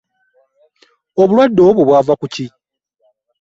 Obulwadde obwo bwava ku ki?